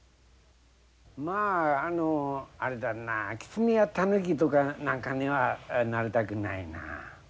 まああのあれだなキツネやタヌキとかなんかにはなりたくないなあ。